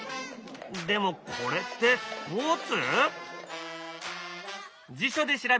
でもこれってスポーツ？